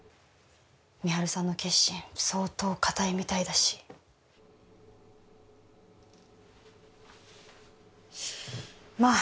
美晴さんの決心相当固いみたいだしまあ